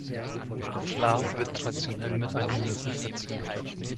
Vla wird traditionell mit einem Löffel verzehrt.